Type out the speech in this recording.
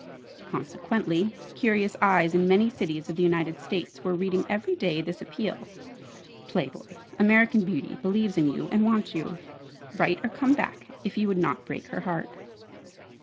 Consequently, curious eyes in many cities of the United States were reading every day this appeal: "Play Boy: 'American Beauty' believes in you and wants you. Write or come back if you would not break her heart."